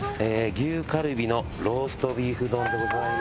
牛カルビのローストビーフ丼でございます。